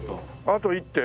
あと１手？